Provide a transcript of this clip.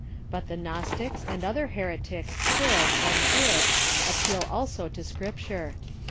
But the Gnostics and other heretics could, and did, appeal also to Script ure.